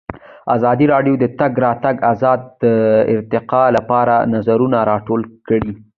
ازادي راډیو د د تګ راتګ ازادي د ارتقا لپاره نظرونه راټول کړي.